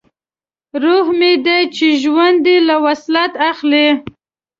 روح مې دی چې ژوند یې له وصلت اخلي